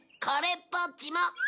これっぽっちも！